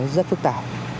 rất phức tạp